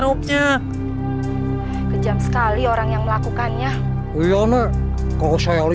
apa yang terjadi dengan gadis ini